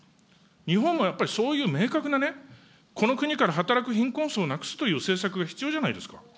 日本もやっぱり、そういう明確なね、この国からはたらく貧困層をなくすという政策が必要じゃないです